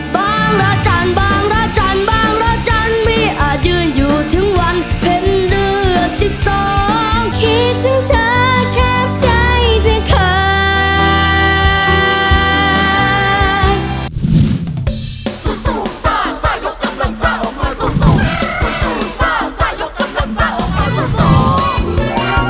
บ้างราชันบ้างราชันบ้างราชันมีอายุอยู่ถึงวันเพ็ญเดือดสิบสอง